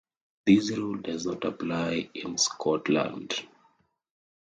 This rule does not apply in Scotland.